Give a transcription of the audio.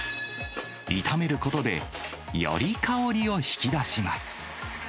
炒めることで、より香りを引き出します。